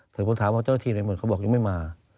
แต่ผมถามกับเจ้าหน้าทีริมนี่เขาบอกยังไม่มา